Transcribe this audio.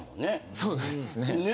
そうですね。